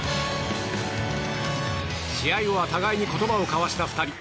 試合後は互いに言葉を交わした２人。